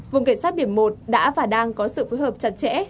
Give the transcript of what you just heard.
vùng cảnh sát biển một đã và đang có sự phối hợp chặt chẽ